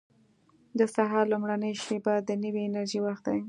• د سهار لومړۍ شېبه د نوې انرژۍ وخت دی.